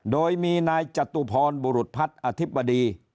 โดยมีนายจตุพรบุรุษพัฒน์อธิบดี